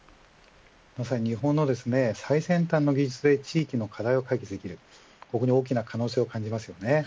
まさに、日本の最先端の技術で地域の課題を解決できるここに大きな可能性を感じますよね。